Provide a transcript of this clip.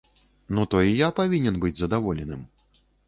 Ну то й я павінен быць задаволеным!